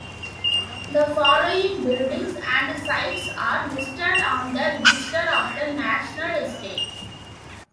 The following buildings and sites are listed on the Register of the National Estate.